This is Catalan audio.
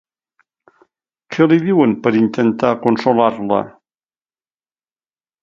Què li diuen per intentar consolar-la?